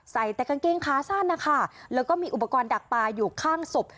ใส่แต่กางเกงขาสั้นนะคะแล้วก็มีอุปกรณ์ดักปลาอยู่ข้างศพ